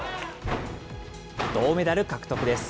銅メダル獲得です。